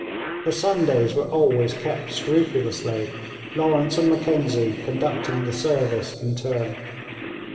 The Sundays were always kept scrupulously, Lawrence and Mackenzie conducting the service in turn.